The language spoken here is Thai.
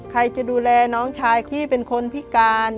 ใครจะดูแลน้องชายที่เป็นคนพิการ